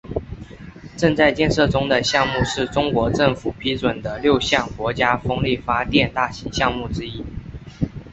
正在建设中的项目是中国政府批准的六项国家风力发电大型项目之一。